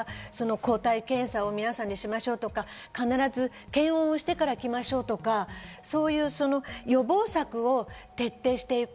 抗体検査を皆さんしましょうとか検温をしてから行きましょうとか予防策を徹底していく。